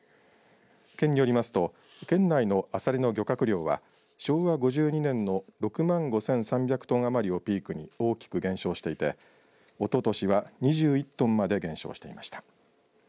県によりますと県内のアサリの漁獲量は昭和５２年の６万５３００トン余りをピークに大きく減少していて、おととしは２１トンまで減少していました。